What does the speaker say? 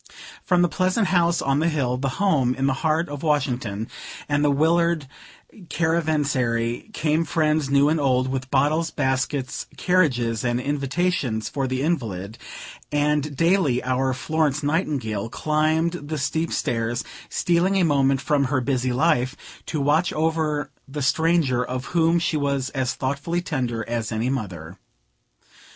From the pleasant house on the hill, the home in the heart of Washington, and the Willard caravansary, came friends new and old, with bottles, baskets, carriages and invitations for the invalid; and daily our Florence Nightingale climbed the steep stairs, stealing a moment from her busy life, to watch over the stranger, of whom she was as thoughtfully tender as any mother.